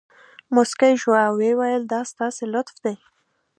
مسکی شو او ویې ویل دا ستاسې لطف دی.